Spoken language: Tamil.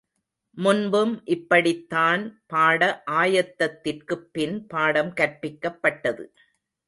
முன்பும் இப்படித்தான் பாட ஆயத்தத்திற்குப் பின் பாடம் கற்பிக்கப்பட்டது.